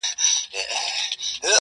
چي مو وركړي ستا د سترگو سېپارو ته زړونه،